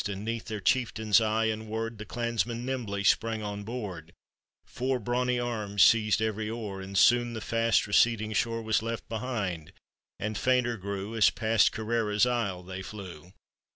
And 'neath their chieftain's eye and word, The clansmen nimbly sprang on board, Pour brawny arms seized every oar, And soon the fast receding shore Was left behind, and fainter grew, As past Kerrera's isle they flew.